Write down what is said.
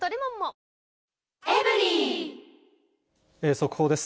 速報です。